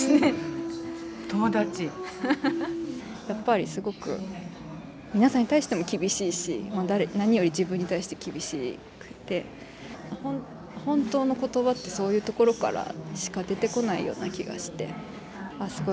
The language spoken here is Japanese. やっぱりすごく皆さんに対しても厳しいし何より自分に対して厳しくて「本当の言葉」ってそういうところからしか出てこないような気がしてああ